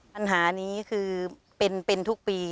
ปัญหานี้คือเป็นทุกปี